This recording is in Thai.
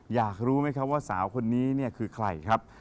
อยากรู้ไหมครับว่าสาวคนนี้เนี่ยคือใครครับ